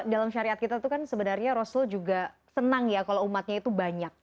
dalam syariat kita itu kan sebenarnya rasul juga senang ya kalau umatnya itu banyak